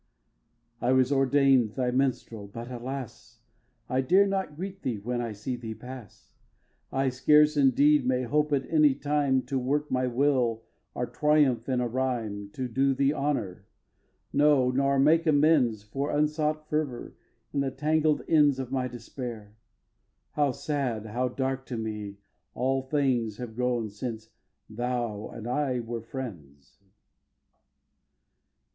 vii. I was ordain'd thy minstrel, but alas! I dare not greet thee when I see thee pass; I scarce, indeed, may hope at any time, To work my will, or triumph in a rhyme To do thee honour; no, nor make amends For unsought fervor, in the tangled ends Of my despair. How sad, how dark to me All things have grown since thou and I were friends!